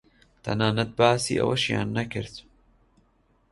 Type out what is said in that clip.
تەنانەت باسی ئەوەشیان نەکرد